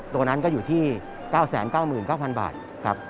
ตัวนั้นก็อยู่ที่๙๙๙๐๐บาทครับ